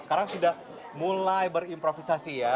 sekarang sudah mulai berimprovisasi ya